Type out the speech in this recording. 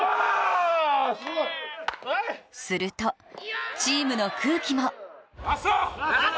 すると、チームの空気もラスト！